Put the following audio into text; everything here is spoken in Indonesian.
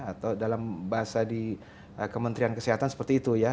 atau dalam bahasa di kementerian kesehatan seperti itu ya